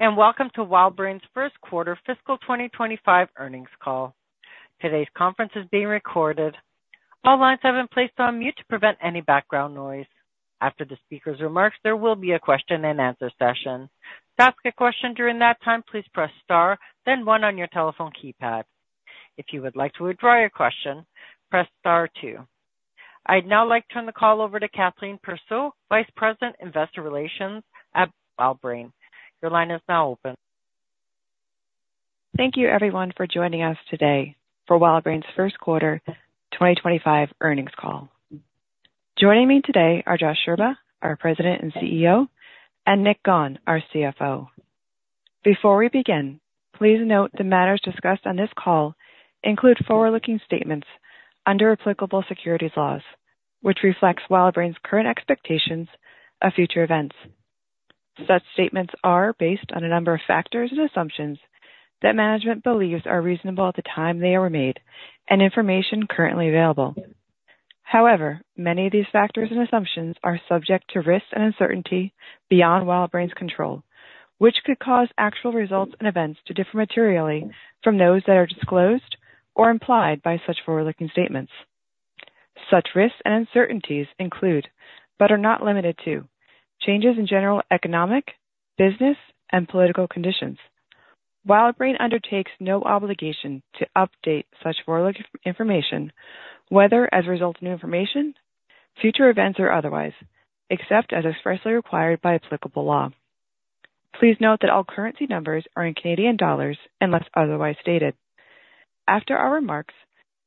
Welcome to WildBrain's First Quarter Fiscal 2025 Earnings Call. Today's conference is being recorded. All lines have been placed on mute to prevent any background noise. After the speaker's remarks, there will be a question-and-answer session. To ask a question during that time, please press star, then one on your telephone keypad. If you would like to withdraw your question, press star two. I'd now like to turn the call over to Kathleen Persaud, Vice President, Investor Relations at WildBrain. Your line is now open. Thank you, everyone, for joining us today for WildBrain's First Quarter 2025 Earnings Call. Joining me today are Josh Scherba, our President and CEO, and Nick Gawne, our CFO. Before we begin, please note the matters discussed on this call include forward-looking statements under applicable securities laws, which reflects WildBrain's current expectations of future events. Such statements are based on a number of factors and assumptions that management believes are reasonable at the time they are made and information currently available. However, many of these factors and assumptions are subject to risks and uncertainty beyond WildBrain's control, which could cause actual results and events to differ materially from those that are disclosed or implied by such forward-looking statements. Such risks and uncertainties include, but are not limited to, changes in general economic, business, and political conditions. WildBrain undertakes no obligation to update such forward-looking information, whether as a result of new information, future events, or otherwise, except as expressly required by applicable law. Please note that all currency numbers are in Canadian dollars unless otherwise stated. After our remarks,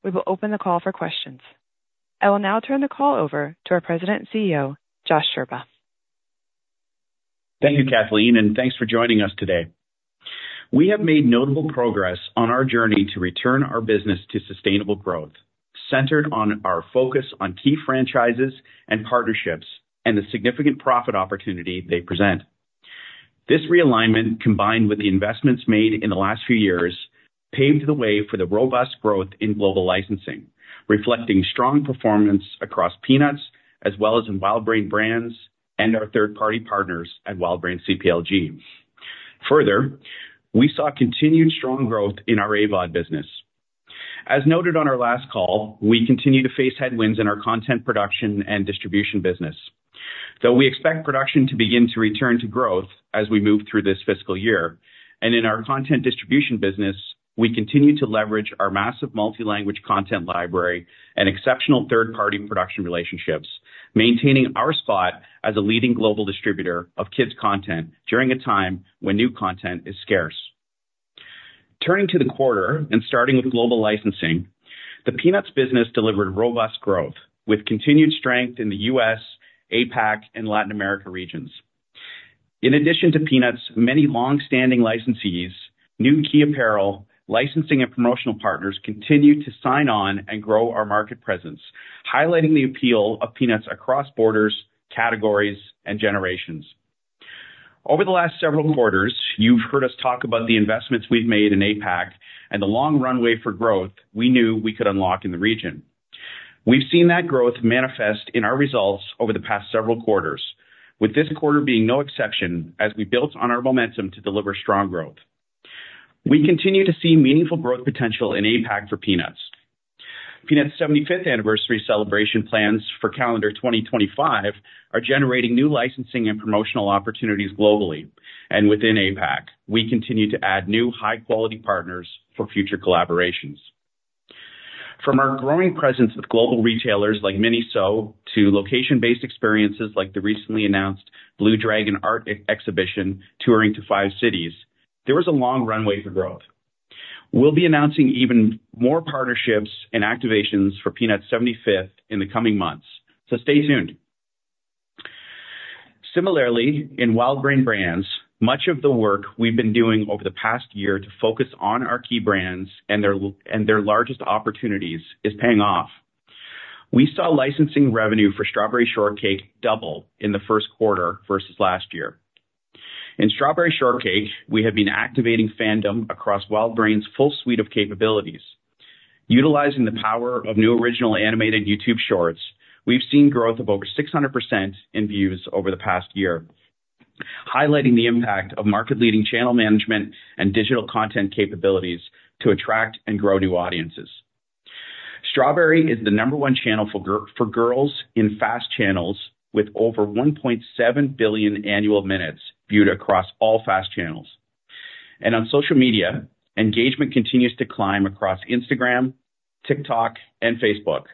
we will open the call for questions. I will now turn the call over to our President and CEO, Josh Scherba. Thank you, Kathleen, and thanks for joining us today. We have made notable progress on our journey to return our business to sustainable growth, centered on our focus on key franchises and partnerships and the significant profit opportunity they present. This realignment, combined with the investments made in the last few years, paved the way for the robust growth in global licensing, reflecting strong performance across Peanuts as well as in WildBrain brands and our third-party partners at WildBrain CPLG. Further, we saw continued strong growth in our AVOD business. As noted on our last call, we continue to face headwinds in our content production and distribution business, though we expect production to begin to return to growth as we move through this fiscal year. And in our content distribution business, we continue to leverage our massive multi-language content library and exceptional third-party production relationships, maintaining our spot as a leading global distributor of kids' content during a time when new content is scarce. Turning to the quarter and starting with global licensing, the Peanuts business delivered robust growth with continued strength in the US, APAC, and Latin America regions. In addition to Peanuts, many long-standing licensees, new key apparel, licensing, and promotional partners continue to sign on and grow our market presence, highlighting the appeal of Peanuts across borders, categories, and generations. Over the last several quarters, you've heard us talk about the investments we've made in APAC and the long runway for growth we knew we could unlock in the region. We've seen that growth manifest in our results over the past several quarters, with this quarter being no exception as we built on our momentum to deliver strong growth. We continue to see meaningful growth potential in APAC for Peanuts. Peanuts' 75th anniversary celebration plans for calendar 2025 are generating new licensing and promotional opportunities globally and within APAC. We continue to add new high-quality partners for future collaborations. From our growing presence with global retailers like Miniso to location-based experiences like the recently announced Blue Dragon Art Exhibition touring to five cities, there was a long runway for growth. We'll be announcing even more partnerships and activations for Peanuts' 75th in the coming months, so stay tuned. Similarly, in WildBrain brands, much of the work we've been doing over the past year to focus on our key brands and their largest opportunities is paying off. We saw licensing revenue for Strawberry Shortcake double in the first quarter versus last year. In Strawberry Shortcake, we have been activating fandom across WildBrain's full suite of capabilities. Utilizing the power of new original animated YouTube shorts, we've seen growth of over 600% in views over the past year, highlighting the impact of market-leading channel management and digital content capabilities to attract and grow new audiences. Strawberry is the number one channel for girls in FAST channels with over 1.7 billion annual minutes viewed across all FAST channels, and on social media, engagement continues to climb across Instagram, TikTok, and Facebook.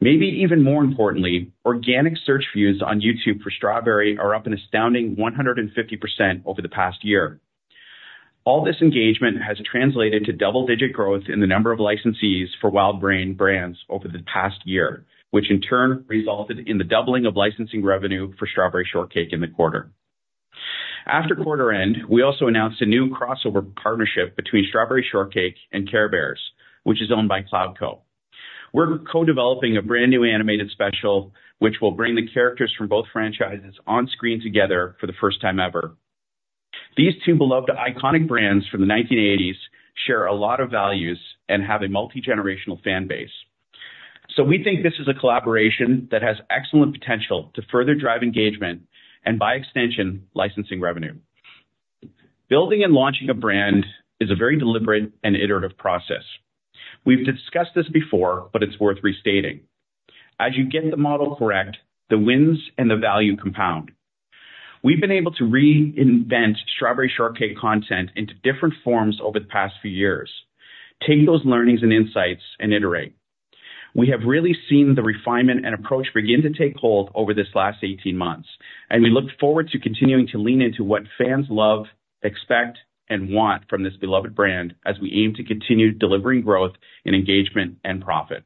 Maybe even more importantly, organic search views on YouTube for Strawberry are up an astounding 150% over the past year. All this engagement has translated to double-digit growth in the number of licensees for WildBrain brands over the past year, which in turn resulted in the doubling of licensing revenue for Strawberry Shortcake in the quarter. After quarter end, we also announced a new crossover partnership between Strawberry Shortcake and Care Bears, which is owned by Cloudco. We're co-developing a brand new animated special, which will bring the characters from both franchises on screen together for the first time ever. These two beloved iconic brands from the 1980s share a lot of values and have a multi-generational fan base. So we think this is a collaboration that has excellent potential to further drive engagement and, by extension, licensing revenue. Building and launching a brand is a very deliberate and iterative process. We've discussed this before, but it's worth restating. As you get the model correct, the wins and the value compound. We've been able to reinvent Strawberry Shortcake content into different forms over the past few years. Take those learnings and insights and iterate. We have really seen the refinement and approach begin to take hold over this last 18 months, and we look forward to continuing to lean into what fans love, expect, and want from this beloved brand as we aim to continue delivering growth in engagement and profit.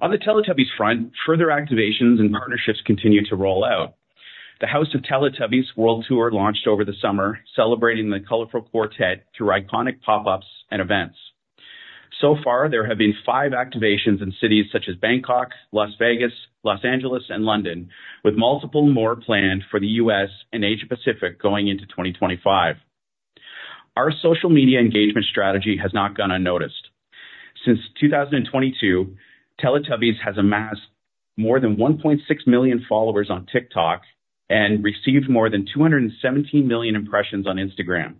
On the Teletubbies front, further activations and partnerships continue to roll out. The House of Teletubbies World Tour launched over the summer, celebrating the colorful quartet through iconic pop-ups and events. So far, there have been five activations in cities such as Bangkok, Las Vegas, Los Angeles, and London, with multiple more planned for the US and Asia-Pacific going into 2025. Our social media engagement strategy has not gone unnoticed. Since 2022, Teletubbies has amassed more than 1.6 million followers on TikTok and received more than 217 million impressions on Instagram.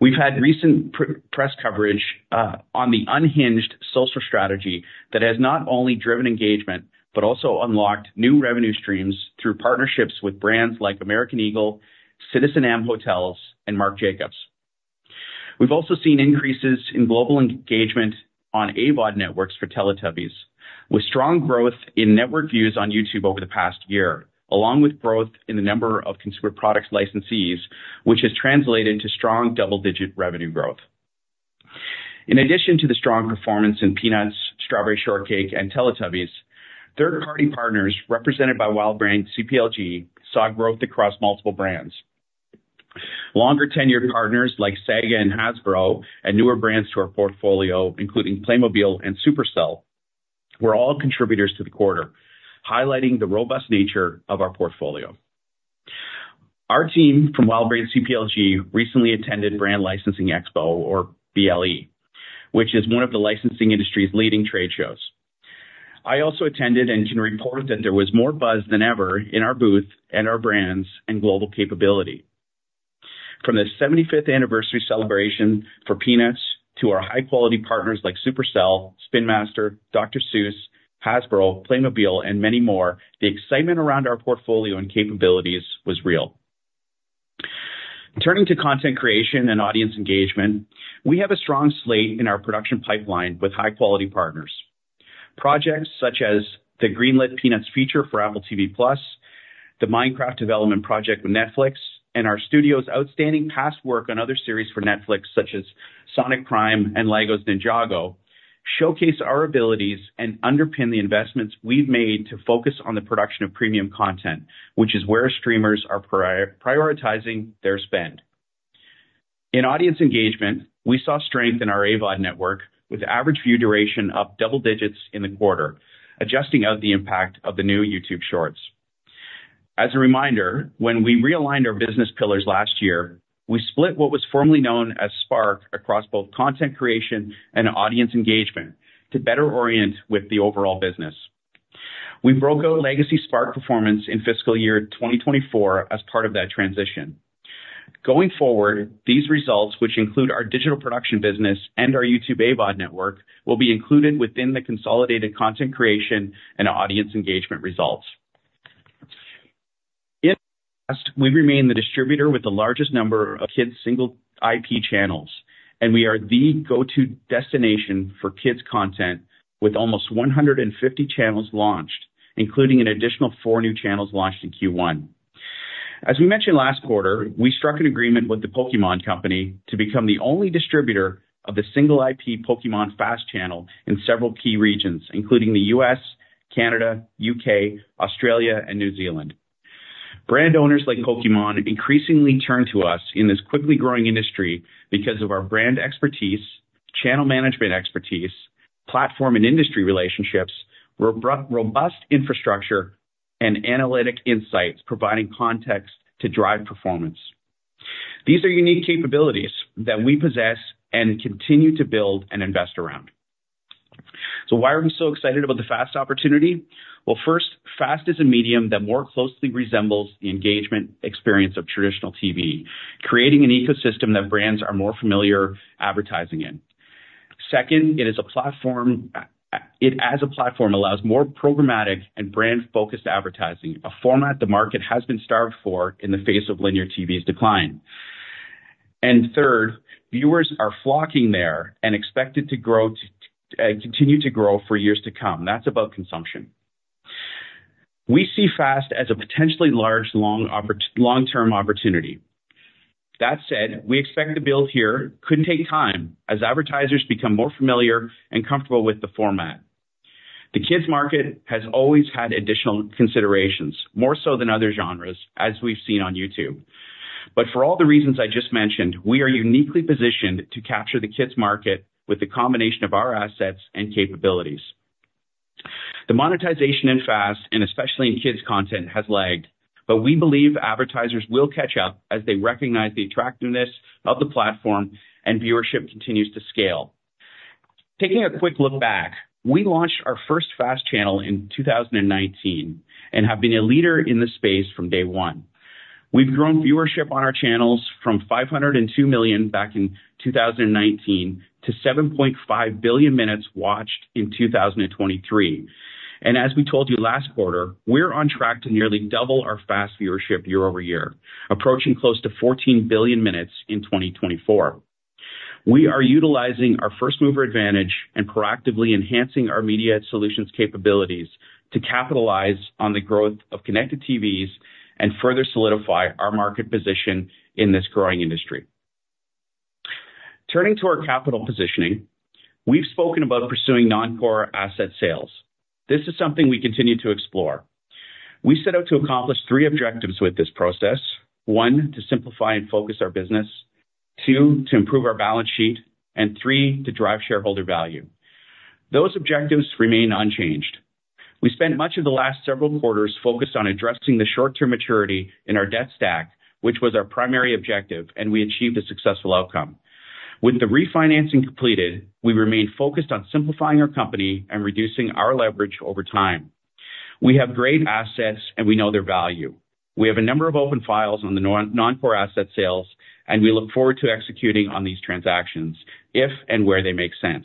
We've had recent press coverage on the unhinged social strategy that has not only driven engagement but also unlocked new revenue streams through partnerships with brands like American Eagle, citizenM Hotels, and Marc Jacobs. We've also seen increases in global engagement on AVOD networks for Teletubbies, with strong growth in network views on YouTube over the past year, along with growth in the number of consumer products licensees, which has translated to strong double-digit revenue growth. In addition to the strong performance in Peanuts, Strawberry Shortcake, and Teletubbies, third-party partners represented by WildBrain CPLG saw growth across multiple brands. Longer-tenured partners like Sega and Hasbro and newer brands to our portfolio, including Playmobil and Supercell, were all contributors to the quarter, highlighting the robust nature of our portfolio. Our team from WildBrain CPLG recently attended Brand Licensing Expo, or BLE, which is one of the licensing industry's leading trade shows. I also attended and can report that there was more buzz than ever in our booth and our brands and global capability. From the 75th anniversary celebration for Peanuts to our high-quality partners like Supercell, Spin Master, Dr. Seuss, Hasbro, Playmobil, and many more, the excitement around our portfolio and capabilities was real. Turning to content creation and audience engagement, we have a strong slate in our production pipeline with high-quality partners. Projects such as the Greenlit Peanuts feature for Apple TV+, the Minecraft development project with Netflix, and our studio's outstanding past work on other series for Netflix such as Sonic Prime and LEGO's Ninjago showcase our abilities and underpin the investments we've made to focus on the production of premium content, which is where streamers are prioritizing their spend. In audience engagement, we saw strength in our AVOD network with average view duration up double digits in the quarter, adjusting out the impact of the new YouTube shorts. As a reminder, when we realigned our business pillars last year, we split what was formerly known as Spark across both content creation and audience engagement to better orient with the overall business. We broke our legacy Spark performance in fiscal year 2024 as part of that transition. Going forward, these results, which include our digital production business and our YouTube AVOD network, will be included within the consolidated content creation and audience engagement results. In the past, we remained the distributor with the largest number of kids' single IP channels, and we are the go-to destination for kids' content with almost 150 channels launched, including an additional four new channels launched in Q1. As we mentioned last quarter, we struck an agreement with The Pokémon Company to become the only distributor of the single IP Pokémon FAST channel in several key regions, including the U.S., Canada, U.K., Australia, and New Zealand. Brand owners like Pokémon increasingly turn to us in this quickly growing industry because of our brand expertise, channel management expertise, platform and industry relationships, robust infrastructure, and analytic insights providing context to drive performance. These are unique capabilities that we possess and continue to build and invest around. So why are we so excited about the FAST opportunity? Well, first, FAST is a medium that more closely resembles the engagement experience of traditional TV, creating an ecosystem that brands are more familiar advertising in. Second, it, as a platform, allows more programmatic and brand-focused advertising, a format the market has been starved for in the face of Linear TV's decline. And third, viewers are flocking there and expected to grow and continue to grow for years to come. That's about consumption. We see FAST as a potentially large long-term opportunity. That said, we expect the build here could take time as advertisers become more familiar and comfortable with the format. The kids' market has always had additional considerations, more so than other genres, as we've seen on YouTube. But for all the reasons I just mentioned, we are uniquely positioned to capture the kids' market with the combination of our assets and capabilities. The monetization in FAST, and especially in kids' content, has lagged, but we believe advertisers will catch up as they recognize the attractiveness of the platform and viewership continues to scale. Taking a quick look back, we launched our first FAST channel in 2019 and have been a leader in the space from day one. We've grown viewership on our channels from 502 million back in 2019 to 7.5 billion minutes watched in 2023. And as we told you last quarter, we're on track to nearly double our FAST viewership year over year, approaching close to 14 billion minutes in 2024. We are utilizing our first-mover advantage and proactively enhancing our media solutions capabilities to capitalize on the growth of connected TVs and further solidify our market position in this growing industry. Turning to our capital positioning, we've spoken about pursuing non-core asset sales. This is something we continue to explore. We set out to accomplish three objectives with this process: one, to simplify and focus our business; two, to improve our balance sheet; and three, to drive shareholder value. Those objectives remain unchanged. We spent much of the last several quarters focused on addressing the short-term maturity in our debt stack, which was our primary objective, and we achieved a successful outcome. With the refinancing completed, we remained focused on simplifying our company and reducing our leverage over time. We have great assets, and we know their value. We have a number of open files on the non-core asset sales, and we look forward to executing on these transactions if and where they make sense.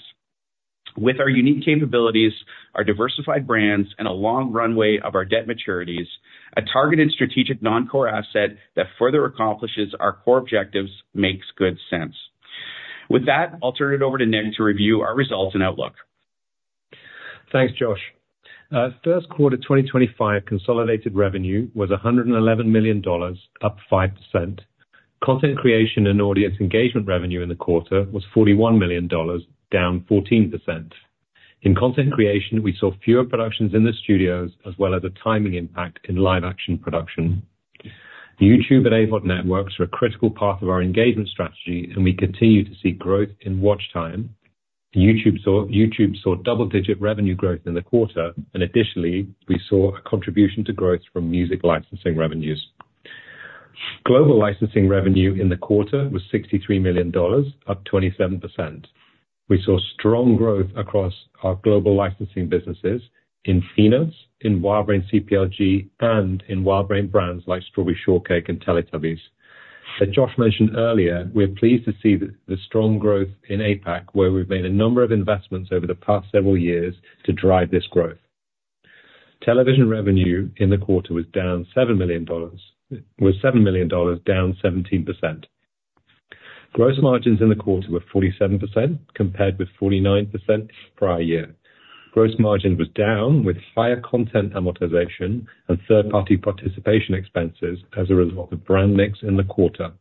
With our unique capabilities, our diversified brands, and a long runway of our debt maturities, a targeted strategic non-core asset that further accomplishes our core objectives makes good sense. With that, I'll turn it over to Nick to review our results and outlook. Thanks, Josh. First quarter 2025 consolidated revenue was 111 million dollars, up 5%. Content creation and audience engagement revenue in the quarter was 41 million dollars, down 14%. In content creation, we saw fewer productions in the studios as well as a timing impact in live-action production. YouTube and AVOD networks are a critical part of our engagement strategy, and we continue to see growth in watch time. YouTube saw double-digit revenue growth in the quarter, and additionally, we saw a contribution to growth from music licensing revenues. Global licensing revenue in the quarter was 63 million dollars, up 27%. We saw strong growth across our global licensing businesses in Peanuts, in WildBrain CPLG, and in WildBrain brands like Strawberry Shortcake and Teletubbies. As Josh mentioned earlier, we're pleased to see the strong growth in APAC, where we've made a number of investments over the past several years to drive this growth. Television revenue in the quarter was 7 million dollars, down 17%. Gross margins in the quarter were 47%, compared with 49% prior year. Gross margin was down with higher content amortization and third-party participation expenses as a result of brand mix in the quarter.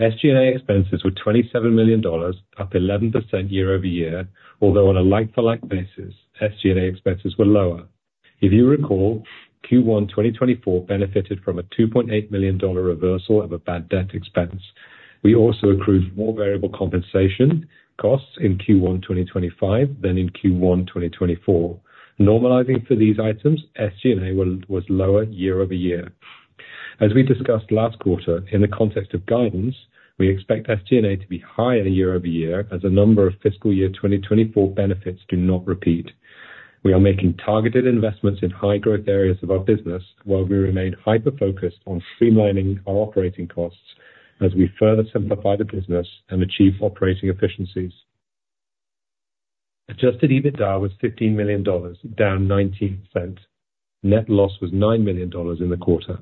SG&A expenses were 27 million dollars, up 11% year over year, although on a like-for-like basis, SG&A expenses were lower. If you recall, Q1 2024 benefited from a 2.8 million dollar reversal of a bad debt expense. We also accrued more variable compensation costs in Q1 2025 than in Q1 2024. Normalizing for these items, SG&A was lower year over year. As we discussed last quarter, in the context of guidance, we expect SG&A to be higher year over year as a number of fiscal year 2024 benefits do not repeat. We are making targeted investments in high-growth areas of our business while we remain hyper-focused on streamlining our operating costs as we further simplify the business and achieve operating efficiencies. Adjusted EBITDA was 15 million dollars, down 19%. Net loss was 9 million dollars in the quarter.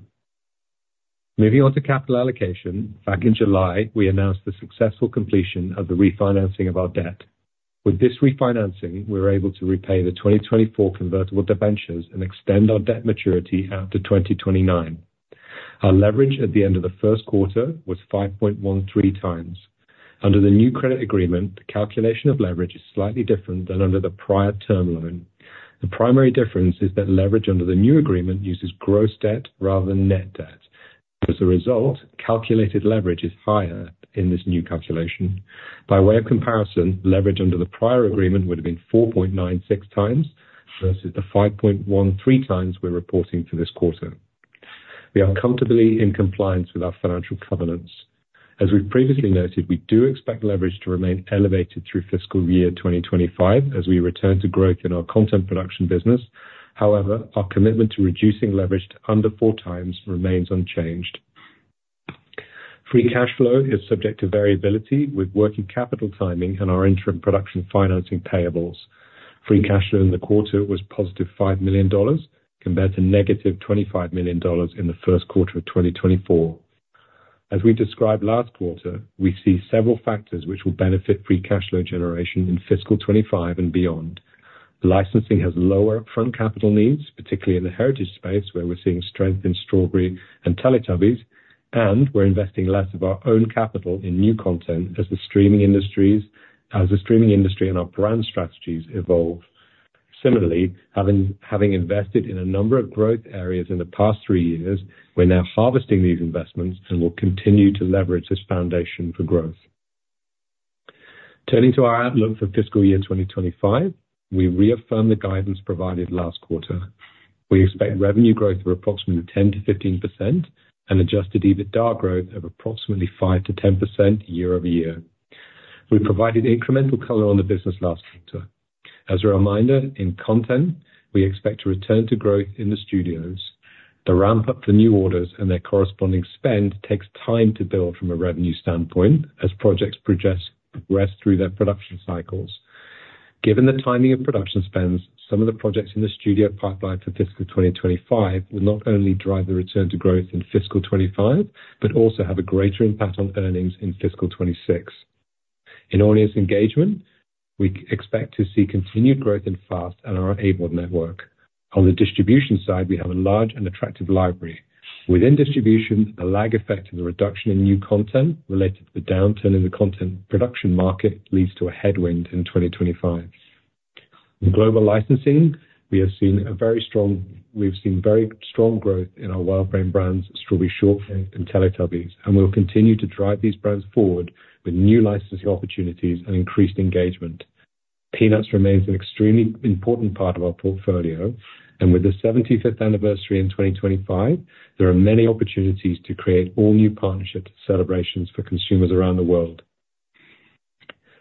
Moving on to capital allocation, back in July, we announced the successful completion of the refinancing of our debt. With this refinancing, we were able to repay the 2024 convertible debentures and extend our debt maturity out to 2029. Our leverage at the end of the first quarter was 5.13 times. Under the new credit agreement, the calculation of leverage is slightly different than under the prior term loan. The primary difference is that leverage under the new agreement uses gross debt rather than net debt. As a result, calculated leverage is higher in this new calculation. By way of comparison, leverage under the prior agreement would have been 4.96 times versus the 5.13 times we're reporting for this quarter. We are comfortably in compliance with our financial covenants. As we've previously noted, we do expect leverage to remain elevated through fiscal year 2025 as we return to growth in our content production business. However, our commitment to reducing leverage to under four times remains unchanged. Free cash flow is subject to variability with working capital timing and our interim production financing payables. Free cash flow in the quarter was positive 5 million dollars compared to negative 25 million dollars in the first quarter of 2024. As we described last quarter, we see several factors which will benefit free cash flow generation in fiscal 2025 and beyond. Licensing has lower upfront capital needs, particularly in the heritage space where we're seeing strength in Strawberry and Teletubbies, and we're investing less of our own capital in new content as the streaming industry and our brand strategies evolve. Similarly, having invested in a number of growth areas in the past three years, we're now harvesting these investments and will continue to leverage this foundation for growth. Turning to our outlook for fiscal year 2025, we reaffirm the guidance provided last quarter. We expect revenue growth of approximately 10%-15% and Adjusted EBITDA growth of approximately 5%-10% year over year. We provided incremental color on the business last quarter. As a reminder, in content, we expect to return to growth in the studios. The ramp-up for new orders and their corresponding spend takes time to build from a revenue standpoint as projects progress through their production cycles. Given the timing of production spends, some of the projects in the studio pipeline for fiscal 2025 will not only drive the return to growth in fiscal 2025 but also have a greater impact on earnings in fiscal 2026. In audience engagement, we expect to see continued growth in FAST and our AVOD network. On the distribution side, we have a large and attractive library. Within distribution, the lag effect of the reduction in new content related to the downturn in the content production market leads to a headwind in 2025. Global licensing, we have seen a very strong growth in our WildBrain brands, Strawberry Shortcake, and Teletubbies, and we'll continue to drive these brands forward with new licensing opportunities and increased engagement. Peanuts remains an extremely important part of our portfolio, and with the 75th anniversary in 2025, there are many opportunities to create all-new partnership celebrations for consumers around the world.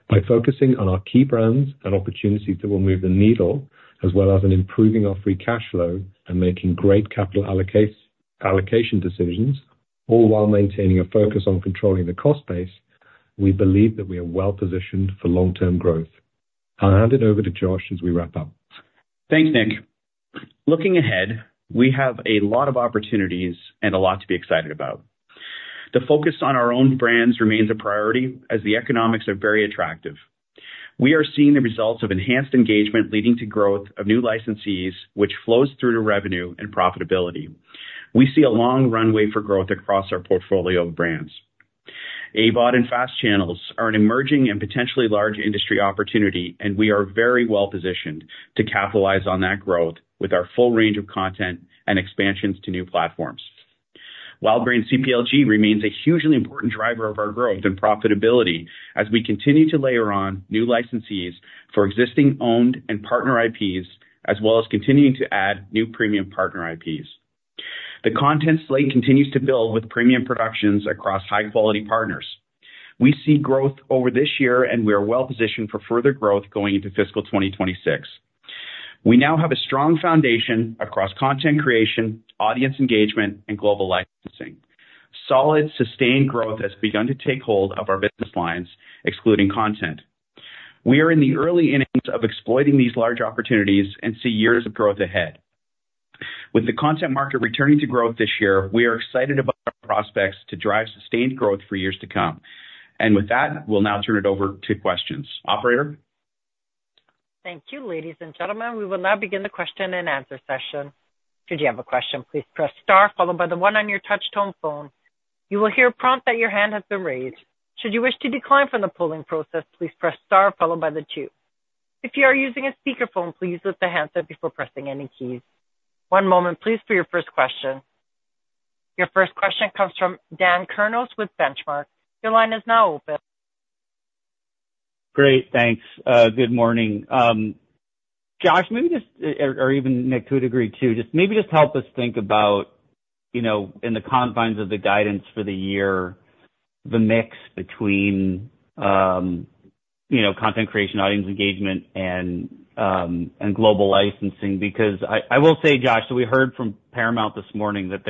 By focusing on our key brands and opportunities that will move the needle, as well as improving our free cash flow and making great capital allocation decisions, all while maintaining a focus on controlling the cost base, we believe that we are well-positioned for long-term growth. I'll hand it over to Josh as we wrap up. Thanks, Nick. Looking ahead, we have a lot of opportunities and a lot to be excited about. The focus on our own brands remains a priority as the economics are very attractive. We are seeing the results of enhanced engagement leading to growth of new licensees, which flows through to revenue and profitability. We see a long runway for growth across our portfolio of brands. AVOD and FAST channels are an emerging and potentially large industry opportunity, and we are very well-positioned to capitalize on that growth with our full range of content and expansions to new platforms. WildBrain CPLG remains a hugely important driver of our growth and profitability as we continue to layer on new licensees for existing owned and partner IPs, as well as continuing to add new premium partner IPs. The content slate continues to build with premium productions across high-quality partners. We see growth over this year, and we are well-positioned for further growth going into fiscal 2026. We now have a strong foundation across content creation, audience engagement, and global licensing. Solid, sustained growth has begun to take hold of our business lines, excluding content. We are in the early innings of exploiting these large opportunities and see years of growth ahead. With the content market returning to growth this year, we are excited about our prospects to drive sustained growth for years to come. And with that, we'll now turn it over to questions. Operator. Thank you, ladies and gentlemen. We will now begin the question and answer session. Should you have a question, please press star, followed by the one on your touch-tone phone. You will hear a prompt that your hand has been raised. Should you wish to decline from the polling process, please press star, followed by the two. If you are using a speakerphone, please lift the handset before pressing any keys. One moment, please, for your first question. Your first question comes from Dan Kurnos with Benchmark. Your line is now open. Great. Thanks. Good morning. Josh, maybe just, or even Nick, who would agree too, just maybe just help us think about, in the confines of the guidance for the year, the mix between content creation, audience engagement, and global licensing. Because I will say, Josh, so we heard from Paramount this morning that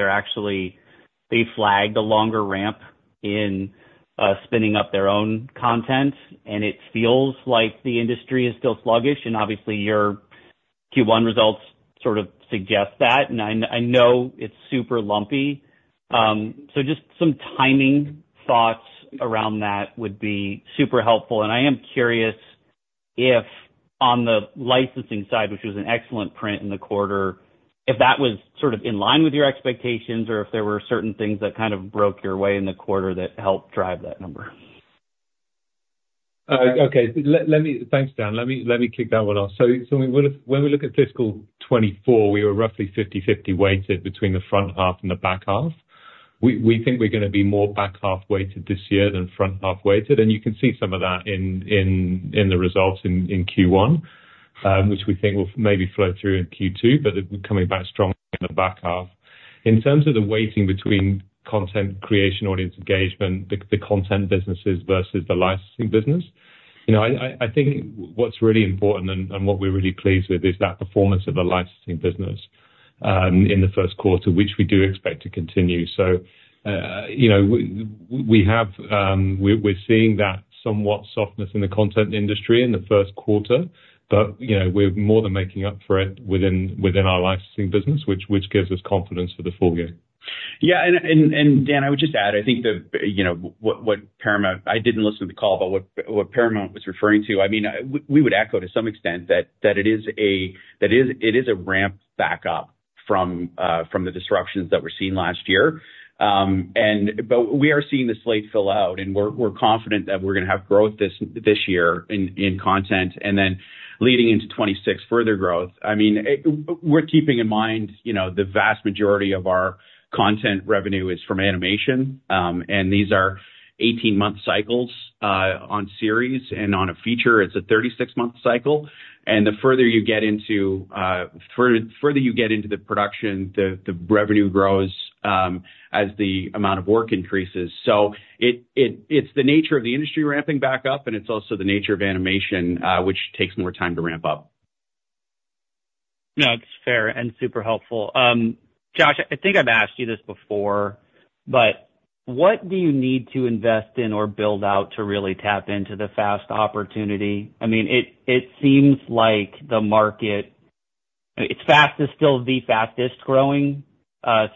they flagged a longer ramp in spinning up their own content, and it feels like the industry is still sluggish. And obviously, your Q1 results sort of suggest that. And I know it's super lumpy. So just some timing thoughts around that would be super helpful. I am curious if, on the licensing side, which was an excellent print in the quarter, if that was sort of in line with your expectations or if there were certain things that kind of broke your way in the quarter that helped drive that number. Okay. Thanks, Dan. Let me kick that one off. When we look at fiscal 2024, we were roughly 50/50 weighted between the front half and the back half. We think we're going to be more back half weighted this year than front half weighted. You can see some of that in the results in Q1, which we think will maybe flow through in Q2, but coming back strong in the back half. In terms of the weighting between content creation, audience engagement, the content businesses versus the licensing business, I think what's really important and what we're really pleased with is that performance of the licensing business in the first quarter, which we do expect to continue. So we're seeing that somewhat softness in the content industry in the first quarter, but we're more than making up for it within our licensing business, which gives us confidence for the full year. Yeah. And Dan, I would just add, I think what Paramount, I didn't listen to the call, but what Paramount was referring to, I mean, we would echo to some extent that it is a ramp back up from the disruptions that we're seeing last year. But we are seeing the slate fill out, and we're confident that we're going to have growth this year in content. And then leading into 2026, further growth. I mean, we're keeping in mind the vast majority of our content revenue is from animation, and these are 18-month cycles on series and on a feature. It's a 36-month cycle. And the further you get into the production, the revenue grows as the amount of work increases. So it's the nature of the industry ramping back up, and it's also the nature of animation, which takes more time to ramp up. No, that's fair and super helpful. Josh, I think I've asked you this before, but what do you need to invest in or build out to really tap into the FAST opportunity? I mean, it seems like the market, it's FAST, it's still the FASTest growing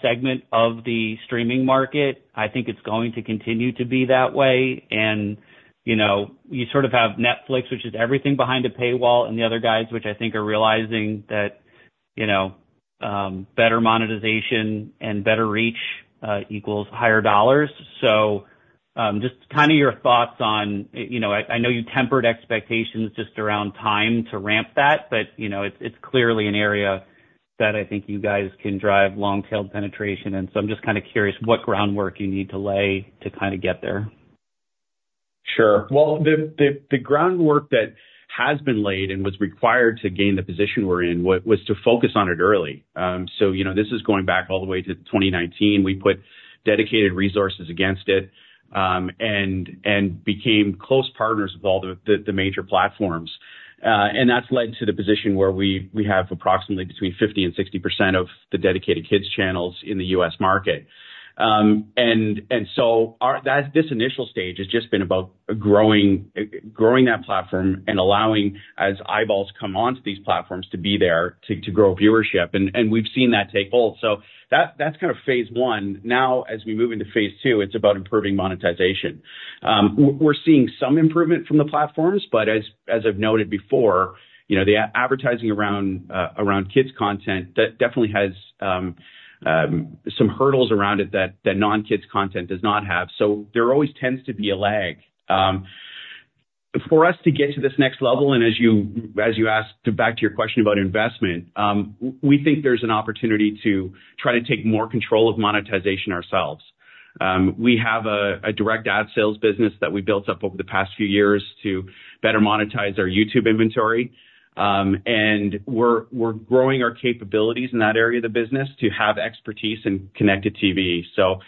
segment of the streaming market. I think it's going to continue to be that way. And you sort of have Netflix, which is everything behind a paywall, and the other guys, which I think are realizing that better monetization and better reach equals higher dollars. So just kind of your thoughts on, I know you tempered expectations just around time to ramp that, but it's clearly an area that I think you guys can drive long-tailed penetration. And so I'm just kind of curious what groundwork you need to lay to kind of get there. Sure. Well, the groundwork that has been laid and was required to gain the position we're in was to focus on it early. So this is going back all the way to 2019. We put dedicated resources against it and became close partners with all the major platforms. And that's led to the position where we have approximately between 50% and 60% of the dedicated kids' channels in the U.S. market. And so this initial stage has just been about growing that platform and allowing, as eyeballs come onto these platforms, to be there to grow viewership. And we've seen that take hold. So that's kind of phase one. Now, as we move into phase two, it's about improving monetization. We're seeing some improvement from the platforms, but as I've noted before, the advertising around kids' content definitely has some hurdles around it that non-kids content does not have. So there always tends to be a lag. For us to get to this next level, and as you asked back to your question about investment, we think there's an opportunity to try to take more control of monetization ourselves. We have a direct ad sales business that we built up over the past few years to better monetize our YouTube inventory, and we're growing our capabilities in that area of the business to have expertise and connected TV. So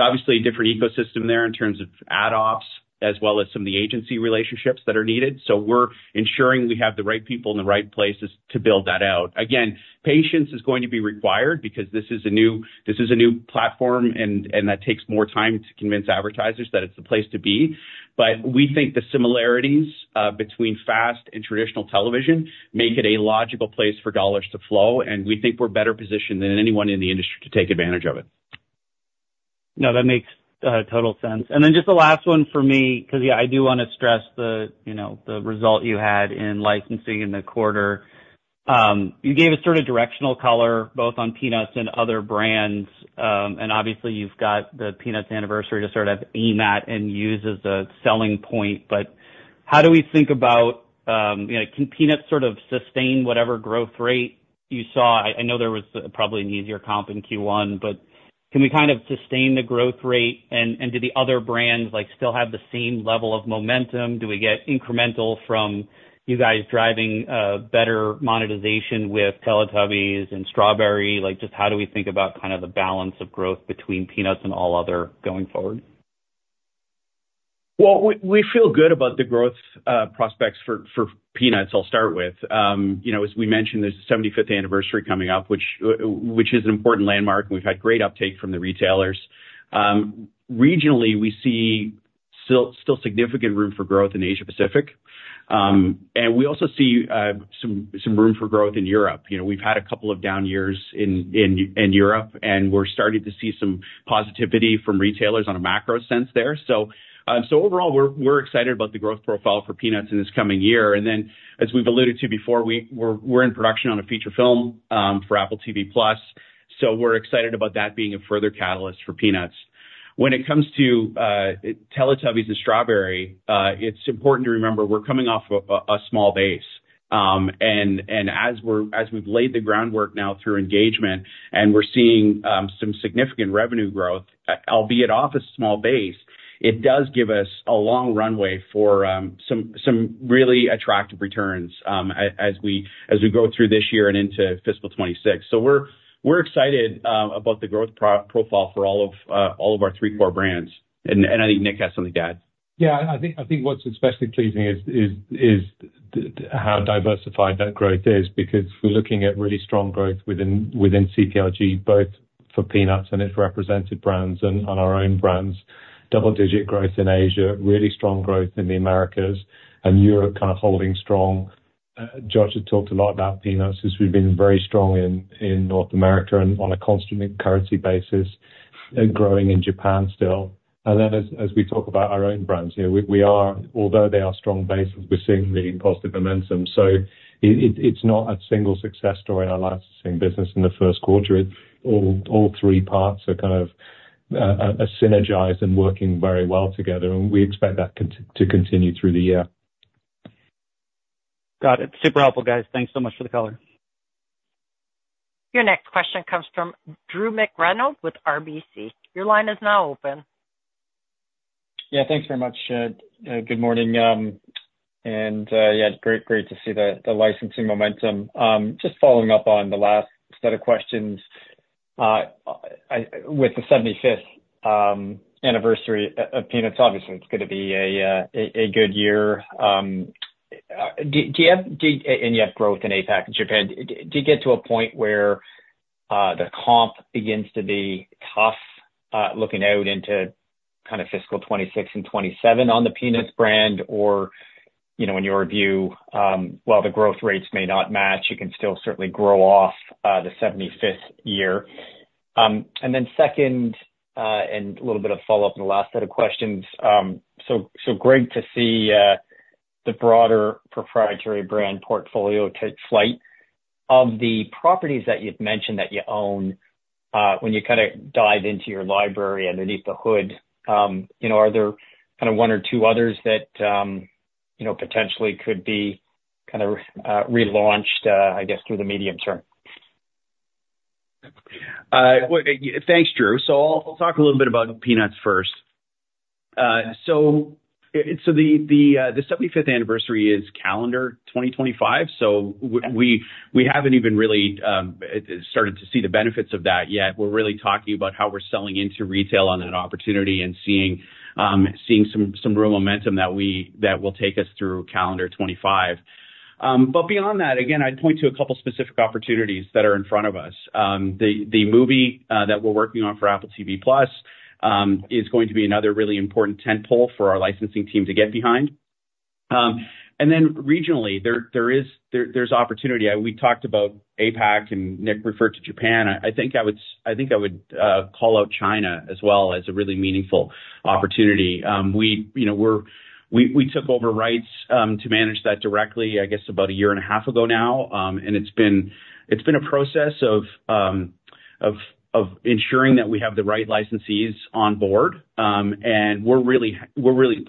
obviously, a different ecosystem there in terms of ad ops, as well as some of the agency relationships that are needed, so we're ensuring we have the right people in the right places to build that out. Again, patience is going to be required because this is a new platform, and that takes more time to convince advertisers that it's the place to be, but we think the similarities between FAST and traditional television make it a logical place for dollars to flow, and we think we're better positioned than anyone in the industry to take advantage of it. No, that makes total sense. And then just the last one for me, because I do want to stress the result you had in licensing in the quarter. You gave a sort of directional color both on Peanuts and other brands. And obviously, you've got the Peanuts anniversary to sort of aim at and use as a selling point. But how do we think about, can Peanuts sort of sustain whatever growth rate you saw? I know there was probably an easier comp in Q1, but can we kind of sustain the growth rate? And do the other brands still have the same level of momentum? Do we get incremental from you guys driving better monetization with Teletubbies and Strawberry? Just how do we think about kind of the balance of growth between Peanuts and all other going forward? Well, we feel good about the growth prospects for Peanuts. I'll start with. As we mentioned, there's the 75th anniversary coming up, which is an important landmark, and we've had great uptake from the retailers. Regionally, we see still significant room for growth in Asia-Pacific, and we also see some room for growth in Europe. We've had a couple of down years in Europe, and we're starting to see some positivity from retailers on a macro sense there. So overall, we're excited about the growth profile for Peanuts in this coming year. And then, as we've alluded to before, we're in production on a feature film for Apple TV+. So we're excited about that being a further catalyst for Peanuts. When it comes to Teletubbies and Strawberry, it's important to remember we're coming off a small base. As we've laid the groundwork now through engagement and we're seeing some significant revenue growth, albeit off a small base, it does give us a long runway for some really attractive returns as we go through this year and into fiscal 2026. We're excited about the growth profile for all of our three core brands. I think Nick has something to add. Yeah. I think what's especially pleasing is how diversified that growth is because we're looking at really strong growth within CPLG, both for Peanuts and its represented brands and our own brands. Double-digit growth in Asia, really strong growth in the Americas, and Europe kind of holding strong. Josh has talked a lot about Peanuts. We've been very strong in North America and on a constant currency basis, growing in Japan still. And then as we talk about our own brands, although they are strong bases, we're seeing really positive momentum. So it's not a single success story in our licensing business in the first quarter. All three parts are kind of synergized and working very well together, and we expect that to continue through the year. Got it. Super helpful, guys. Thanks so much for the color. Your next question comes from Drew McReynolds with RBC. Your line is now open. Yeah. Thanks very much. Good morning. And yeah, great to see the licensing momentum. Just following up on the last set of questions with the 75th anniversary of Peanuts, obviously, it's going to be a good year. And you have growth in APAC and Japan. Do you get to a point where the comp begins to be tough looking out into kind of Fiscal 2026 and 2027 on the Peanuts brand, or in your view, while the growth rates may not match, you can still certainly grow off the 75th year? And then second, and a little bit of follow-up on the last set of questions. So great to see the broader proprietary brand portfolio take flight. Of the properties that you've mentioned that you own, when you kind of dive into your library underneath the hood, are there kind of one or two others that potentially could be kind of relaunched, I guess, through the medium term? Thanks, Drew. So I'll talk a little bit about Peanuts first. So the 75th anniversary is calendar 2025. So we haven't even really started to see the benefits of that yet. We're really talking about how we're selling into retail on that opportunity and seeing some real momentum that will take us through calendar 2025. Beyond that, again, I'd point to a couple of specific opportunities that are in front of us. The movie that we're working on for Apple TV+ is going to be another really important tentpole for our licensing team to get behind. Then regionally, there's opportunity. We talked about APAC, and Nick referred to Japan. I think I would call out China as well as a really meaningful opportunity. We took over rights to manage that directly, I guess, about a year and a half ago now. And it's been a process of ensuring that we have the right licensees on board. And we're really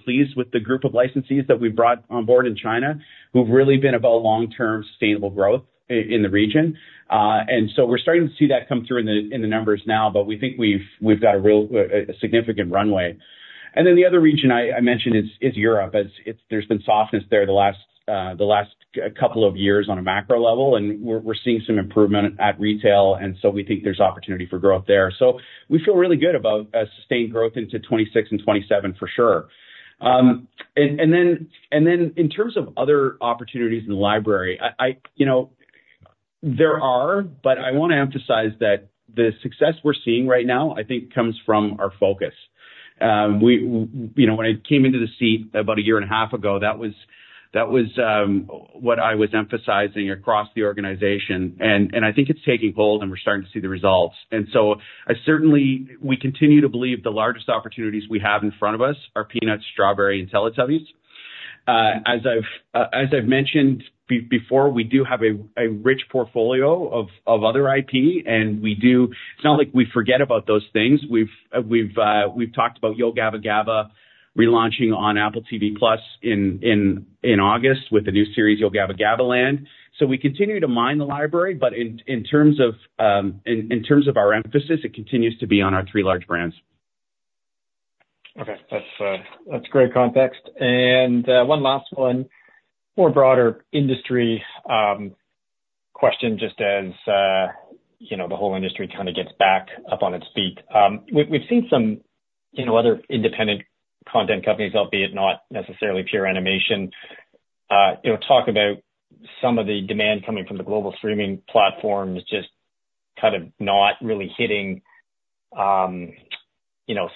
pleased with the group of licensees that we've brought on board in China who've really been about long-term sustainable growth in the region. And so we're starting to see that come through in the numbers now, but we think we've got a significant runway. And then the other region I mentioned is Europe. There's been softness there the last couple of years on a macro level, and we're seeing some improvement at retail. And so we think there's opportunity for growth there. So we feel really good about sustained growth into 2026 and 2027 for sure. And then in terms of other opportunities in the library, there are, but I want to emphasize that the success we're seeing right now, I think, comes from our focus. When I came into the seat about a year and a half ago, that was what I was emphasizing across the organization. And I think it's taking hold, and we're starting to see the results. And so we continue to believe the largest opportunities we have in front of us are Peanuts, Strawberry, and Teletubbies. As I've mentioned before, we do have a rich portfolio of other IP, and it's not like we forget about those things. We've talked about Yo Gabba Gabba! relaunching on Apple TV+ in August with the new series, Yo Gabba GabbaLand!. So we continue to mine the library, but in terms of our emphasis, it continues to be on our three large brands. Okay. That's great context. And one last one, more broader industry question, just as the whole industry kind of gets back up on its feet. We've seen some other independent content companies, albeit not necessarily pure animation, talk about some of the demand coming from the global streaming platforms just kind of not really hitting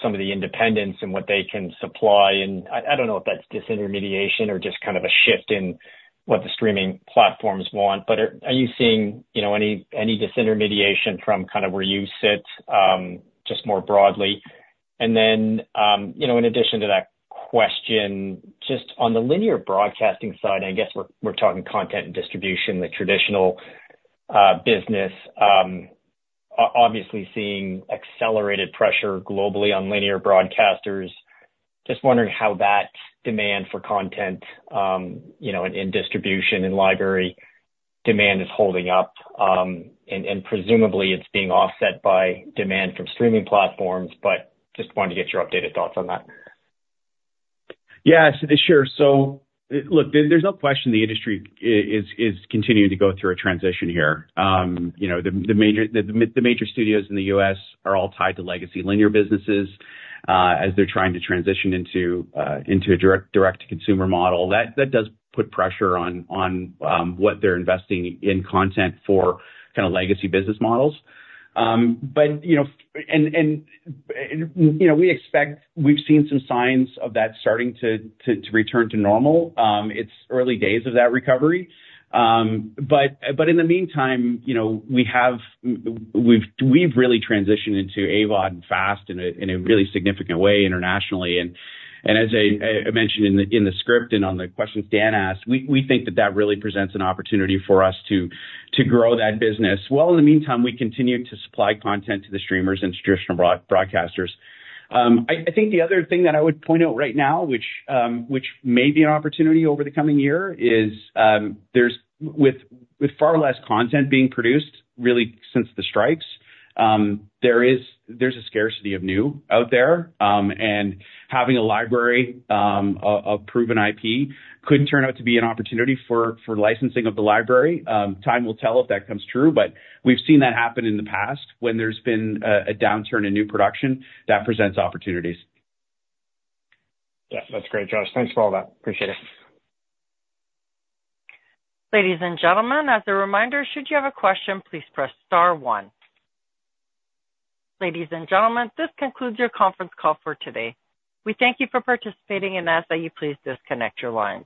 some of the independents and what they can supply. And I don't know if that's disintermediation or just kind of a shift in what the streaming platforms want, but are you seeing any disintermediation from kind of where you sit just more broadly? And then, in addition to that question, just on the linear broadcasting side, I guess we're talking content and distribution, the traditional business, obviously seeing accelerated pressure globally on linear broadcasters. Just wondering how that demand for content in distribution and library demand is holding up. And presumably, it's being offset by demand from streaming platforms, but just wanted to get your updated thoughts on that. Yeah. Sure. So look, there's no question the industry is continuing to go through a transition here. The major studios in the U.S. are all tied to legacy linear businesses as they're trying to transition into a direct-to-consumer model. That does put pressure on what they're investing in content for kind of legacy business models. And we expect we've seen some signs of that starting to return to normal. It's early days of that recovery. But in the meantime, we've really transitioned into AVOD and FAST in a really significant way internationally. And as I mentioned in the script and on the questions Dan asked, we think that that really presents an opportunity for us to grow that business. While in the meantime, we continue to supply content to the streamers and traditional broadcasters. I think the other thing that I would point out right now, which may be an opportunity over the coming year, is with far less content being produced really since the strikes, there's a scarcity of new out there, and having a library of proven IP could turn out to be an opportunity for licensing of the library. Time will tell if that comes true, but we've seen that happen in the past when there's been a downturn in new production that presents opportunities. Yes. That's great, Josh. Thanks for all that. Appreciate it. Ladies and gentlemen, as a reminder, should you have a question, please press star one. Ladies and gentlemen, this concludes your conference call for today. We thank you for participating and ask that you please disconnect your line.